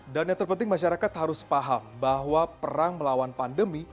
dan yang terpenting masyarakat harus paham bahwa perang melawan pandemi